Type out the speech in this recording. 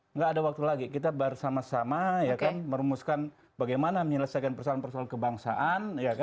nggak ada waktu lagi kita bersama sama merumuskan bagaimana menyelesaikan persoalan persoalan kebangsaan